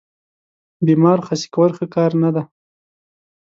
بیمار خسي کول ښه کار نه دی.